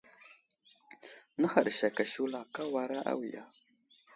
Nə̀haɗ sek a shula ,ka wara awiya.